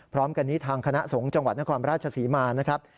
พร้อมกันนี้ทางคณะสงฆ์จังหวัดนครราชศรีมานะครับ